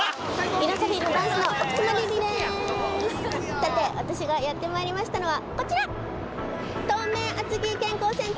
さて私がやってまいりましたのはこちら！